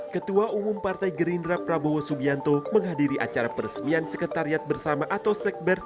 ketua umum partai gerindra prabowo subianto menghadiri acara peresmian sekretariat bersama atau sekber